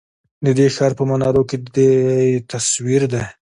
ددې ښار په منارو کی دی تصوير دی